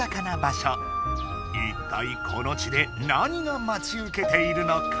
いったいこの地で何がまちうけているのか？